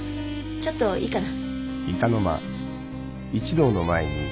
ちょっといいかな？